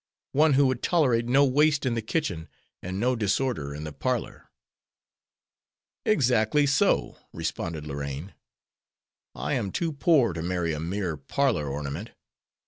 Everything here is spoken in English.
One who would tolerate no waste in the kitchen and no disorder in the parlor." "Exactly so," responded Lorraine; "I am too poor to marry a mere parlor ornament.